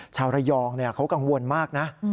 ชาวระยองเขากังวลมากนะ